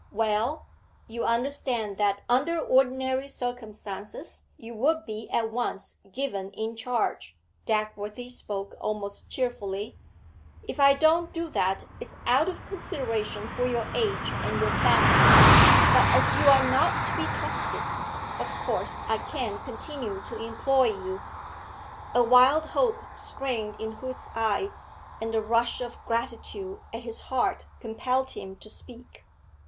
'Well, you understand that under ordinary circumstances you would be at once given in charge.' Dagworthy spoke almost cheerfully. 'If I don't do that it's out of consideration for your age and your family. But as you are not to be trusted, of course I can't continue to employ you.' A wild hope sprang in Hood's eyes, and the rush of gratitude at his heart compelled him to speak.